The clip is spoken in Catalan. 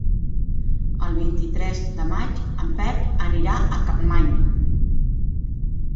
El vint-i-tres de maig en Pep anirà a Capmany.